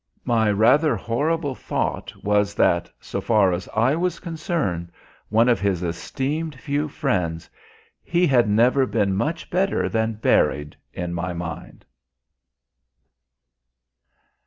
My rather horrible thought was that, so far as I was concerned one of his esteemed few friends he had never been much better than "buried" in my mind.